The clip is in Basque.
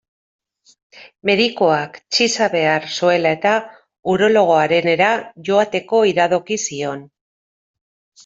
Medikuak, txiza behar zuela-eta, urologoarenera joateko iradoki zion.